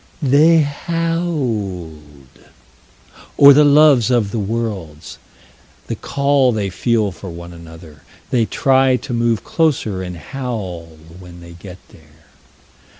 They howled. Or the loves of the worlds. The call they feel for one another. They try to move closer and howl when they get there.